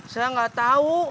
saya nggak tahu